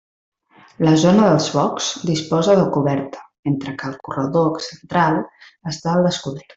La zona dels boxs disposa de coberta, mentre que el corredor central està al descobert.